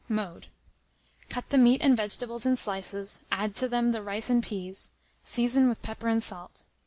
Mode. Cut the meat and vegetables in slices, add to them the rice and peas, season with pepper and salt.